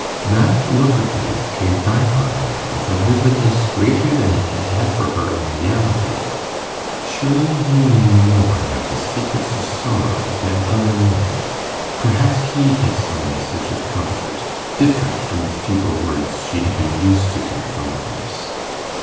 That look of his came back on her with a vividness greater than it had had for her in reality: surely he knew more of the secrets of sorrow than other men; perhaps he had some message of comfort, different from the feeble words she had been used to hear from others.